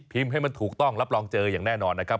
พิมพ์ให้มันถูกต้องแล้วลองเจออย่างแน่นอนนะครับ